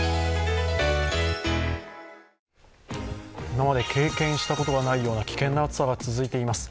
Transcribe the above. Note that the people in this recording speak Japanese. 今まで経験したことがないような危険な暑さが続いています。